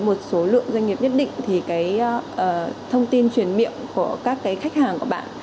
một số lượng doanh nghiệp nhất định thì cái thông tin truyền miệng của các cái khách hàng của bạn